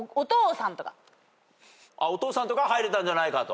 お父さんとかは入れたんじゃないかと？